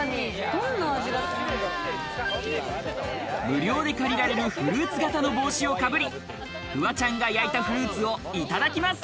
どんな味が無料で借りられるフルーツ型の帽子をかぶり、フワちゃんが焼いたフルーツをいただきます。